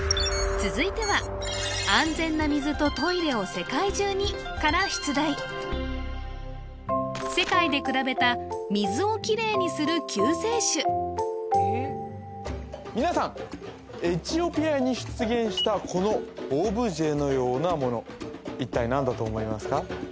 続いては「安全な水とトイレを世界中に」から出題世界でくらべた皆さんエチオピアに出現したこのオブジェのようなもの一体何だと思いますか？